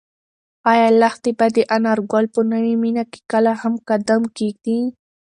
ایا لښتې به د انارګل په نوې مېنه کې کله هم قدم کېږدي؟